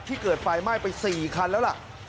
เกิดไฟไหม้ไป๔คันแล้วล่ะ